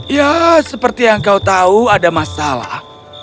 ya seperti yang kau tahu ada masalah